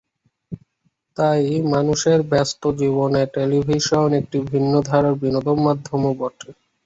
তাই মানুষের ব্যস্ত জীবনে টেলিভিশন একটি ভিন্নধারার বিনোদনমাধ্যমও বটে।